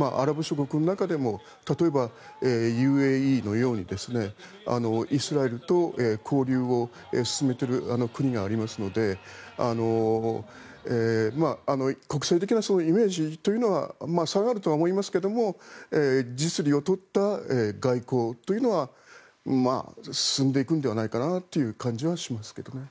アラブ諸国の中でも例えば、ＵＡＥのようにイスラエルと交流を進めている国がありますので国際的なそういうイメージというのは下がるとは思いますが実利を取った外交というのは進んでいくのではという感じはしますけどね。